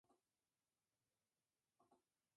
Fue jugador de la Selección de fútbol de Venezuela.